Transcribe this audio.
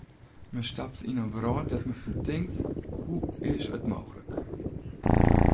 Men stapt yn in wrâld dêr't men fan tinkt: hoe is it mooglik.